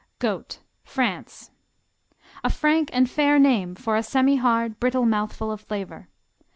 Goat France A frank and fair name for a semihard, brittle mouthful of flavor.